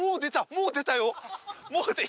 もう出たよ。